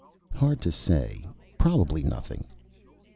"Hard to say. Probably nothing."